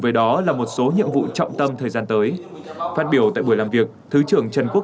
với đó là một số nhiệm vụ trọng tâm thời gian tới phát biểu tại buổi làm việc thứ trưởng trần quốc